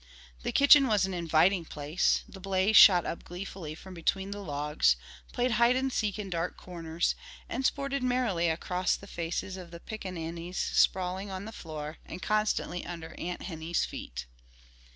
The kitchen was an inviting place; the blaze shot up gleefully from between the logs, played hide and seek in dark corners and sported merrily across the faces of the pickaninnies sprawling on the floor and constantly under Aunt Henny's feet.